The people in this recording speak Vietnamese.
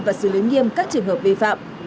và xử lý nghiêm các trường hợp vi phạm